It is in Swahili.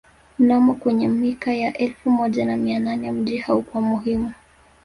Mnamo kwenye mika ya elfu moja na mia nane mji haukuwa muhimu